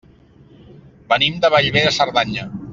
Venim de Bellver de Cerdanya.